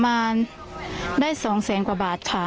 ความปลอดภัยของนายอภิรักษ์และครอบครัวด้วยซ้ำ